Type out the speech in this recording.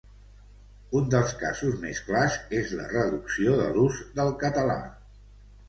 Un dels casos més clars és la reducció de l’ús del català.